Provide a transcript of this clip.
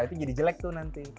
itu jadi jelek tuh nanti